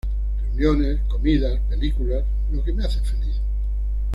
Reuniones, comida, películas... Lo que me hace feliz.